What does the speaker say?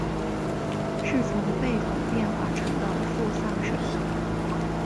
是从贝桶变化成的付丧神。